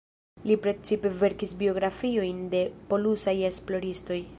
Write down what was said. Li precipe verkis biografiojn de polusaj esploristoj.